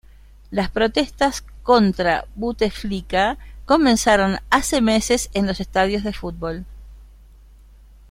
Las protestas contra Buteflika comenzaron hace meses en los estadios de fútbol.